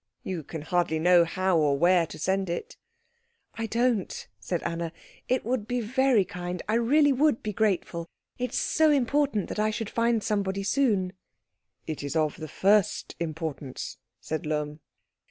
You can hardly know how or where to send it." "I don't," said Anna. "It would be very kind I really would be grateful. It is so important that I should find somebody soon." "It is of the first importance," said Lohm.